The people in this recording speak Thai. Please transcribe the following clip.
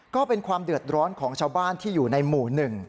ก็เป็นความเดือดร้อนของชาวบ้านที่อยู่ในหมู่๑